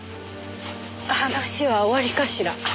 話は終わりかしら。